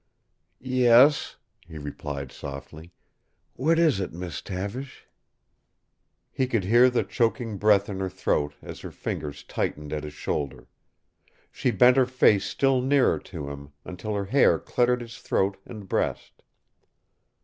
"Yes," he replied softly. "What is it, Miss Tavish?" He could hear the choking breath in her throat as her fingers tightened at his shoulder. She bent her face still nearer to him, until her hair cluttered his throat and breast.